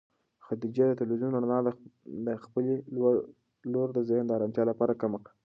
خدیجې د تلویزون رڼا د خپلې لور د ذهن د ارامتیا لپاره کمه کړه.